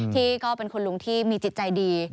ที่เป็นคุณลุงที่มีจิตใจดี